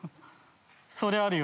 そりゃあるよ。